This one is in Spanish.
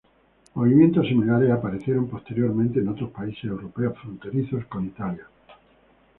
Movimientos similares aparecieron posteriormente en otros países europeos fronterizos con Italia.